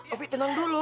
opi tenang dulu